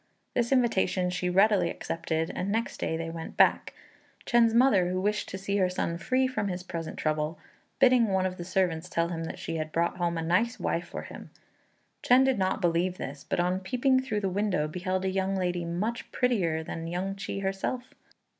This invitation she readily accepted, and next day they went back; Chên's mother, who wished to see her son free from his present trouble, bidding one of the servants tell him that she had brought home a nice wife for him; Chên did not believe this; but on peeping through the window beheld a young lady much prettier even than Yün ch'i herself.